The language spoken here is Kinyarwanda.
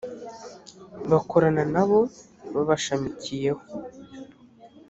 bakorana na bo babashamikiyeho